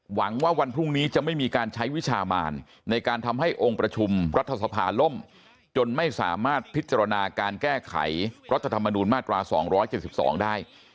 หวังว่าวันพรุ่งนี้จะไม่มีการใช้วิชามานในการทำให้องค์ประชุมรัฐสภาล่มจนไม่สามารถพิจารณาการแก้ไขรัฐธรรมนูญมาตรา๒๗๒ได้